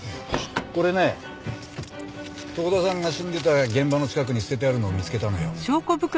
これね遠田さんが死んでた現場の近くに捨ててあるのを見つけたんだよ。